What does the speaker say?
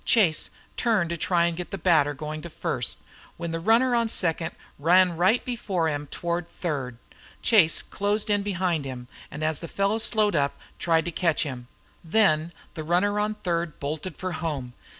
Chase turned to try to get the batter going down to first, when the runner on second ran right before him toward third. Chase closed in behind him, and as the fellow slowed up tried to catch him. Then the runner on third bolted for home.